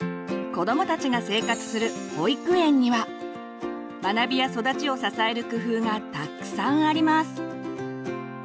子どもたちが生活する保育園には学びや育ちを支える工夫がたくさんあります。